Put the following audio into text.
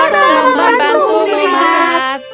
oh tolong membantuku melihat